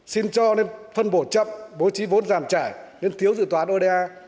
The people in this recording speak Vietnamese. xin cho nên phân bổ chậm bố trí vốn giàn trải nên thiếu dự toán oda